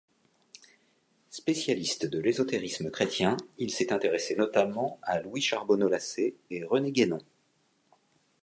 Spécialiste de l'ésotérisme chrétien, il s'est intéressé notamment à Louis Charbonneau-Lassay et René Guénon.